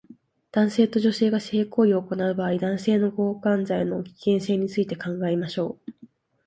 男性と女性が性行為を行う場合、男性は強姦罪の危険性について考えましょう